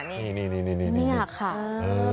นี่ค่ะ